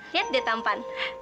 lihat deh tampan